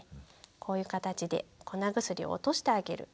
こういう形で粉薬を落としてあげる。